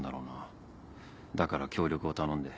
だから協力を頼んで。